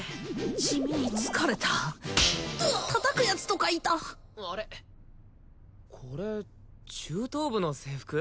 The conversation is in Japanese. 地味に疲れた叩くやつとかいたあれっこれ中等部の制服？